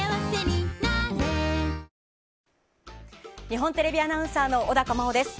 日本テレビアナウンサーの小高茉緒です。